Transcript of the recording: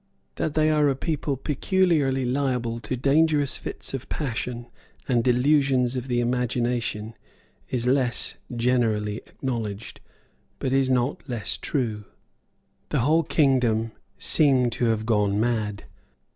That they are a people peculiarly liable to dangerous fits of passion and delusions of the imagination is less generally acknowledged, but is not less true. The whole kingdom seemed to have gone mad.